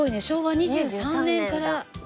昭和２３年から。